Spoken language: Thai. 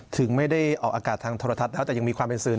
ถึงไม่ได้ออกอากาศทางโทรทัศน์แล้วแต่ยังมีความเป็นสื่อ